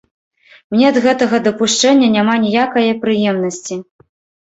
Мне ад гэтага дапушчэння няма ніякае прыемнасці.